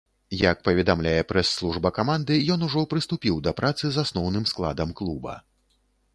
Як паведамляе прэс-служба каманды, ён ужо прыступіў да працы з асноўным складам клуба.